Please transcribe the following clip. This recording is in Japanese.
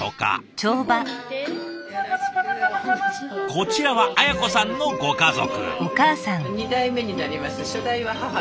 こちらは綾子さんのご家族。